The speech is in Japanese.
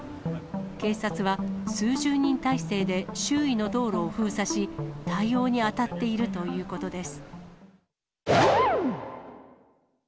警察は数十人態勢で周囲の道路を封鎖し、対応に当たっているということです。